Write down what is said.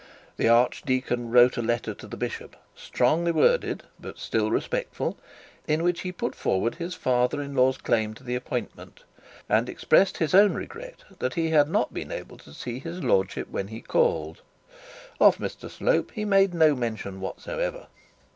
The archdeacon wrote a letter to the bishop, strongly worded, but still respectful, in which he put forward his father in law's claim to the appointment, and expressed his own regret that he had not been able to see his lordship when he called. Of Mr Slope me made no mention whatsoever.